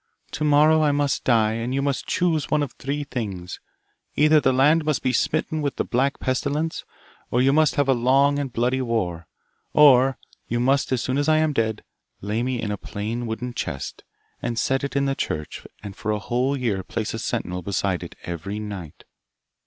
to morrow I must die, and you must choose one of three things: either the land must be smitten with the black pestilence, or you must have a long and bloody war, or you must as soon as I am dead, lay me in a plain wooden chest, and set it in the church, and for a whole year place a sentinel beside it every night.